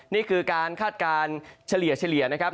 นี่คือการคาดการณ์เฉลี่ยนะครับ